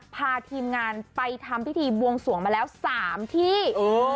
พาทีมงานไปทำพิธีบวงสวงเมื่อแล้วสามที่เออ